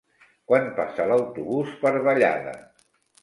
Quan passa l'autobús per Vallada?